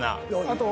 あと。